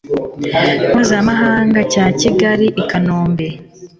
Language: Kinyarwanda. mpuzamahanga cya Kigali i Kanombe